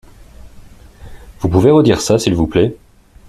Vous pouvez redire ça s'il vous plait ?